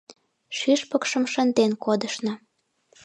Шӱшпыкшым шынден кодышна.